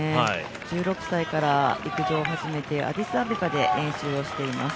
１６歳から陸上を始めてアディスアベバで練習をしています。